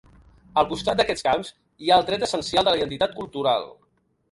Al costat d’aquests camps, hi ha el tret essencial de la identitat cultural.